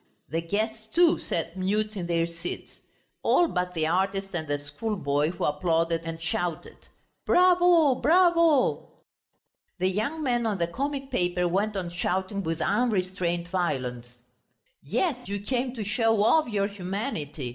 The guests, too, sat mute in their seats. All but the artist and the schoolboy, who applauded and shouted, "Bravo, bravo!" The young man on the comic paper went on shouting with unrestrained violence: "Yes, you came to show off your humanity!